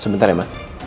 sebentar ya mak